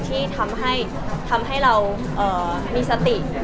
ที่ทำให้เรามีสติ